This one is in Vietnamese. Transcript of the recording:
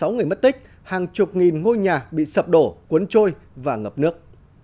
sáu người mất tích hàng chục nghìn ngôi nhà bị sập đổ cuốn trôi và ngập nước